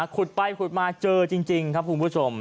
ขุดไปขุดมาเจอจริงครับคุณผู้ชม